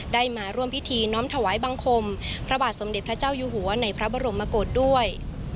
ได้มาร่วมพิธีน้อมถวายบังคมพระบาทสมเด็จพระเจ้าอยู่หัวในพระบรมกฏด้วย